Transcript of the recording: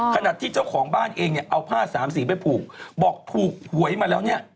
ขนาดที่เจ้าของบ้านเองเนี่ยเอาผ้าสามสีไปผูกบอกถูกหวยมาแล้วเนี่ย